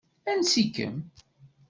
Ansi-kem?